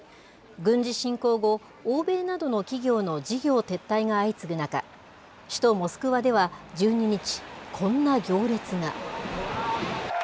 軍事侵攻後、欧米などの企業の事業撤退が相次ぐ中、首都モスクワでは１２日、こんな行列が。